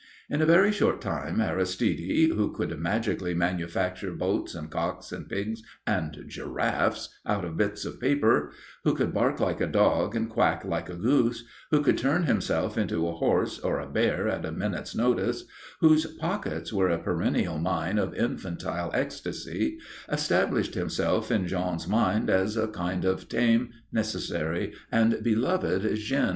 In a very short time Aristide, who could magically manufacture boats and cocks and pigs and giraffes out of bits of paper, who could bark like a dog and quack like a goose, who could turn himself into a horse or a bear at a minute's notice, whose pockets were a perennial mine of infantile ecstasy, established himself in Jean's mind as a kind of tame, necessary and beloved jinn.